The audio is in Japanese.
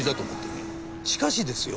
しかしですよ